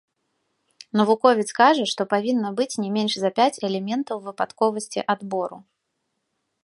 Навуковец кажа, што павінна быць не менш за пяць элементаў выпадковасці адбору.